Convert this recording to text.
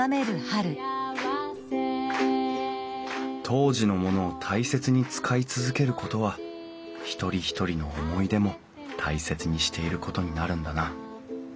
当時のものを大切に使い続けることは一人一人の思い出も大切にしていることになるんだな